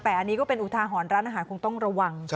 แต่อันนี้ก็เป็นอุทาหรณ์ร้านอาหารคงต้องระวัง